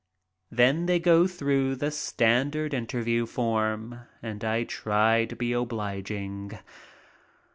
Then they go through the standard interview form and I try to be obliging.